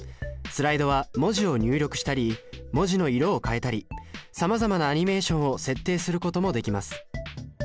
スライドは文字を入力したり文字の色を変えたりさまざまなアニメーションを設定することもできます